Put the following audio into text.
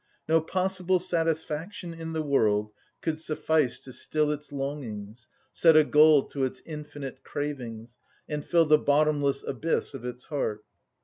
No possible satisfaction in the world could suffice to still its longings, set a goal to its infinite cravings, and fill the bottomless abyss of its heart.